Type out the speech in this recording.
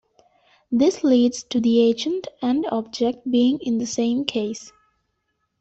This leads to the agent and object being in the same case.